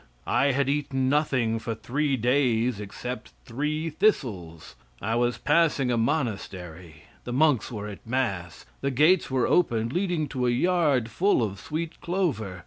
I had eaten nothing for three days except three thistles. I was passing a monastery, the monks were at mass. The gates were open leading to a yard full of sweet clover.